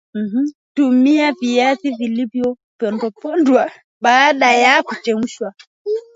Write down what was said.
Tumia viazi vilivyopondwa pondwa baada ya kuchemshwa